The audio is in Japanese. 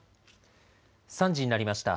３時になりました。